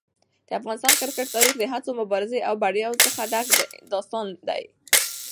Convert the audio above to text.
د افغانستان کرکټ تاریخ د هڅو، مبارزې او بریاوو څخه ډک داستان دی.